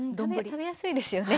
食べやすいですよね。